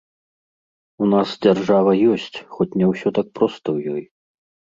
У нас дзяржава ёсць, хоць не ўсё так проста ў ёй.